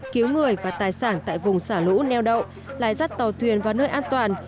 cứu người và tài sản tại vùng xả lũ neo đậu lái dắt tàu thuyền vào nơi an toàn